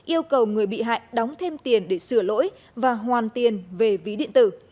yêu cầu người bị hại đóng thêm tiền để sửa lỗi và hoàn tiền về ví điện tử